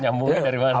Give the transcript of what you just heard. nyambungin dari mana